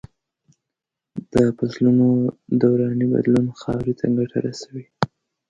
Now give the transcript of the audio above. د فصلو دوراني بدلون خاورې ته ګټه رسوي.